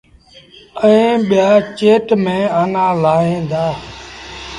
ائيٚݩ ٻيٚ چيٽ ميݩ آنآ لآوهيݩ دآ۔